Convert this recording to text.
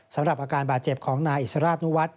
สำหรับอาการบาดเจ็บของนายอิสราชนุวัฒน